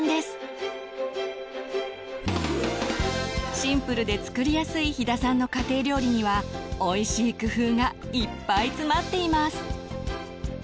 シンプルで作りやすい飛田さんの家庭料理にはおいしい工夫がいっぱい詰まっています。